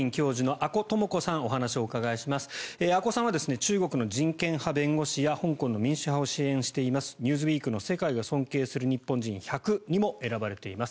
阿古さんは中国の人権派弁護士や香港の民主派を支援しています「ニューズウィーク」の世界が尊敬する日本人１００にも選ばれています。